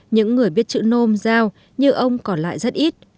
những người biết chữ nôm giao như ông còn lại rất ít